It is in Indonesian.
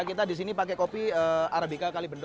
ya kita di sini pakai kopi arabica kalibendo ya